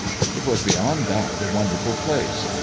It was beyond doubt a wonderful place.